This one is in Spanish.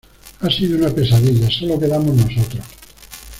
ha sido una pesadilla, solo quedamos nosotros.